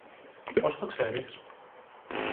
Πώς το ξέρεις;